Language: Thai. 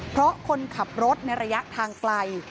เพราะคนขับรถในระยะทางไกล